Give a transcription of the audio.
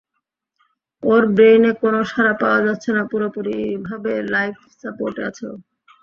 ওর ব্রেইনে কোনও সাড়া পাওয়া যাচ্ছে না, পুরোপুরিভাবে লাইফ সাপোর্টে আছে ও।